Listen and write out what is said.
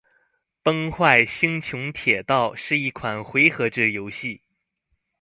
《崩坏：星穹铁道》是一款回合制游戏。